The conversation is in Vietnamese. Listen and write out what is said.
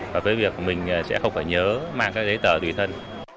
và việc mình sẽ không phải nhớ mang giấy tờ tùy thân